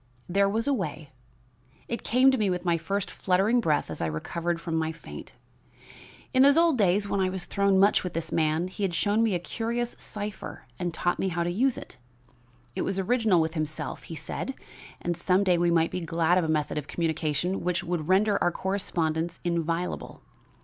There was a way it came to me with my first fluttering breath as I recovered from my faint. In those old days when I was thrown much with this man, he had shown me a curious cipher and taught me how to use it. It was original with himself, he said, and some day we might be glad of a method of communication which would render our correspondence inviolable.